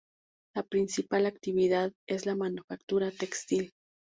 La principal actividad es la manufactura textil.